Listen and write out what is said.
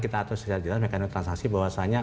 kita atur secara jelas mekanisme transaksi bahwasannya